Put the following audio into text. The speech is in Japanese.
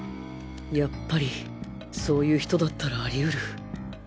やっぱりそういう人だったらあり得る！